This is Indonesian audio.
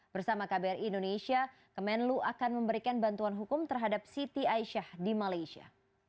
bersama kbri indonesia kemenlu akan memberikan bantuan hukum terhadap siti aisyah di malaysia